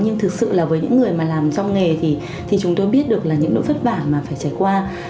nhưng thực sự là với những người mà làm trong nghề thì chúng tôi biết được là những nỗi vất vả mà phải trải qua